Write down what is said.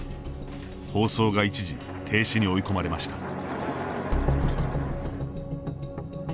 放送が一時停止に追い込まれました。